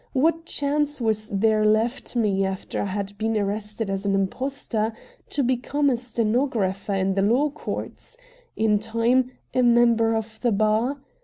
What chance was there left me, after I had been arrested as an impostor, to become a stenographer in the law courts in time, a member of the bar?